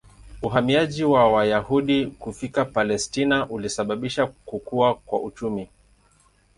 Uhamiaji wa Wayahudi kufika Palestina ulisababisha kukua kwa uchumi.